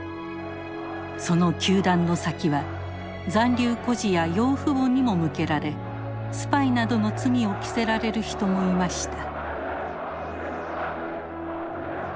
その糾弾の先は残留孤児や養父母にも向けられスパイなどの罪を着せられる人もいました。